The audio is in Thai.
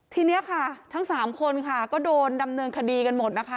ทีนี้ค่ะทั้ง๓คนค่ะก็โดนดำเนินคดีกันหมดนะคะ